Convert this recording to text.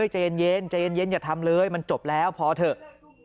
ใจเย็นใจเย็นอย่าทำเลยมันจบแล้วพอเถอะ